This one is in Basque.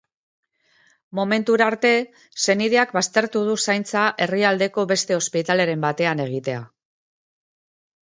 Momentura arte, senideak baztertu du zaintza herrialdeko beste ospitaleren batean egitea.